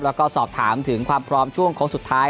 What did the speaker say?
แล้วก็สอบถามถึงความพร้อมช่วงโค้งสุดท้าย